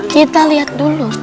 kita lihat dulu